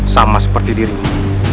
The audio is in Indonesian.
sama seperti diriku